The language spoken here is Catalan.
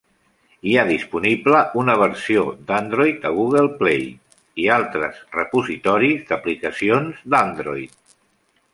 Hi ha disponible una versió d'Android a Google Play i altres repositoris d'aplicacions d'Android.